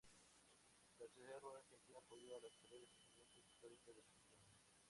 La Sociedad Rural Argentina apoyó a las tres Presidencias históricas de Argentina.